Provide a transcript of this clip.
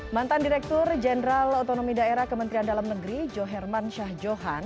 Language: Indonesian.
mantan direktur jenderal otonomi daerah kementerian dalam negeri joherman syah johan